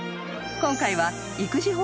［今回は］